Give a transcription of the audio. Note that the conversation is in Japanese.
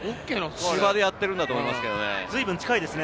芝でやってるんだと思いますよね。